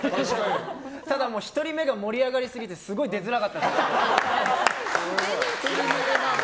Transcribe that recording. ただ、１人目が盛り上がりすぎて出にくかったです。